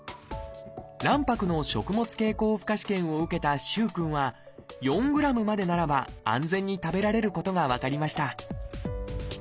卵白の食物経口負荷試験を受けた萩くんは４ｇまでならば安全に食べられることが分かりました